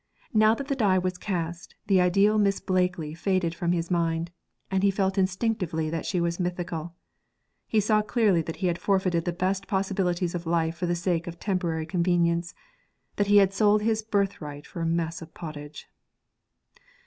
Now that the die was cast, the ideal Miss Blakely faded from his mind; he felt instinctively that she was mythical. He saw clearly that he had forfeited the best possibilities of life for the sake of temporary convenience, that he had sold his birthright for a mess of pottage.